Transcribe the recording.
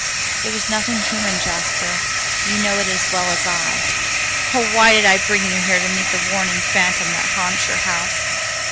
"It was nothing human, Jasper; you know it as well as I. Oh, why did I bring you here to meet the warning phantom that haunts your house!"